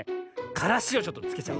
からしをちょっとつけちゃう。